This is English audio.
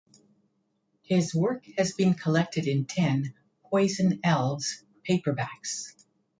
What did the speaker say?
His work has been collected in ten "Poison Elves" paperbacks.